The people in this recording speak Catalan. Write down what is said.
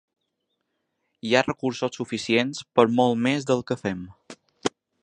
Hi ha recursos suficients per molt més del que fem.